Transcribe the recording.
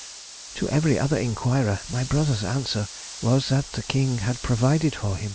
To every other inquirer, my brother's answer was that the King had provided for him.